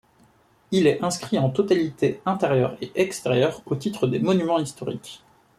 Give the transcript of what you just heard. Il est inscrit en totalité interieur et extérieur au titre des monuments historiques.